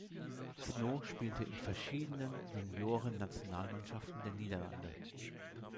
Sno spielte in verschiedenen Junioren-Nationalmannschaften der Niederlande.